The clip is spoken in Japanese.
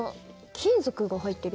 金属が入ってる？